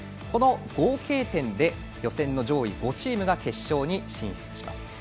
この合計点で予選の上位５チームが決勝に進出します。